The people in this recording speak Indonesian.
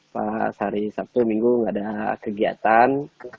pas hari sabtu minggu nggak ada kegiatan